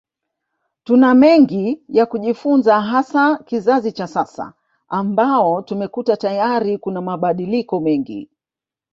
Tuna mengi ya kujifunza hasa kizazi cha sasa ambao tumekuta tayari kuna mabadiliko mengi